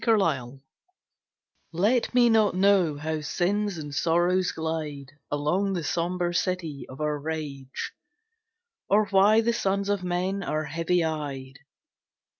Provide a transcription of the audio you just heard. PRAYER Let me not know how sins and sorrows glide Along the sombre city of our rage, Or why the sons of men are heavy eyed.